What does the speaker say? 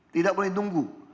tidak boleh tunggu